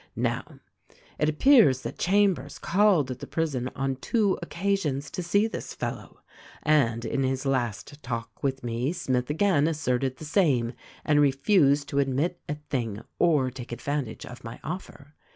"Now, it appears that Chambers called at the prison on two occasions to see this fellow ; and in his last talk with me Smith again asserted the same and refused to admit a thing or take advantage of my offer.